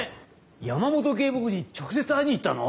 山本警部補に直接会いに行ったの？